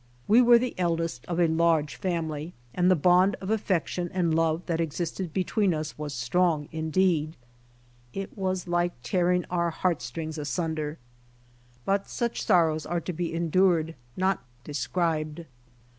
We were the eldest of a large family and the bond of affection and love that existed be tv^^een us was strong indeed. It was like tearing our heart strings asunder. But such sorrows are to be endured not described.